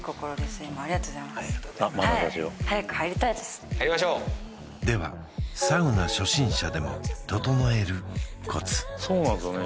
はいありがとうございます入りましょうではサウナ初心者でもととのえるコツそうなんですよね